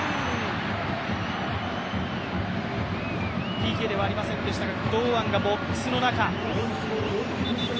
ＰＫではありませんでしたが堂安がボックスの中。